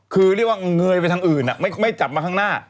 คือเรียกว่าเงยไปทางอื่นไม่จับมาข้างหน้า